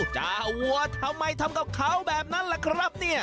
จ้าว่าทำไมทำกับเขาแบบนั้นล่ะครับ